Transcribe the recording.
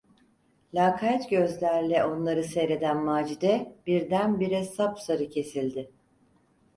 Lakayt gözlerle onları seyreden Macide birdenbire sapsarı kesildi.